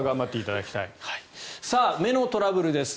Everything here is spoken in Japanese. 目のトラブルです。